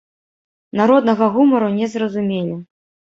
Народнага гумару не зразумелі.